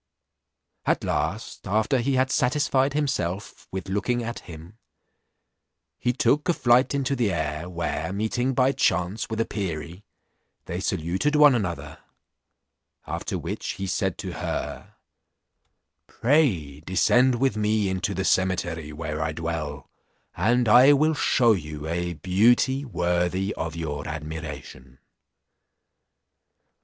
At last, after he had satisfied himself with looking at him, he tool; a flight into the air, where meeting by chance with a perie, they saluted one another; after which he said to her, "Pray descend with me into the cemetery, where I dwell, and I will shew you a beauty worthy your admiration."